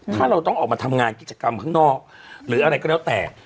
ถ้าเราต้องออกมาทำงานกิจกรรมข้างนอกหรืออะไรก็แล้วแต่